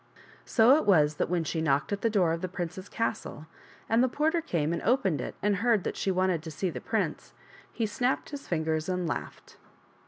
So it was that when she knocked at the door of the prince's castle, and the porter came and opened it and heard that she wanted to see the prince, he snapped his fingers and laughed.